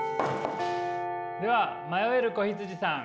では迷える子羊さん。